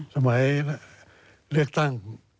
สมัยเลือกตั้ง